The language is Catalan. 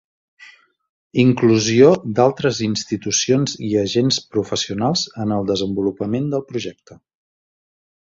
Inclusió d'altres institucions i agents professionals en el desenvolupament del projecte.